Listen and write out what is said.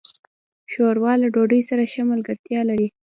ښوروا له ډوډۍ سره ښه ملګرتیا لري.